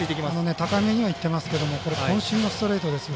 高めにはいってますけどこん身のストレートですよ。